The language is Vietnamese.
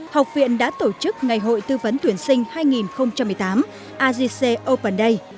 học viện đã tổ chức ngày hội tư vấn tuyển sinh hai nghìn một mươi tám agc open day